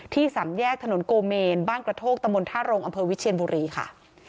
ที่สำแยกถนนโกเมนบ้านกระโทกตะมนต์ธารงอวิชเชียนบุรีค่ะ